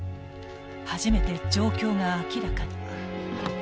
初めて状況が明らかに。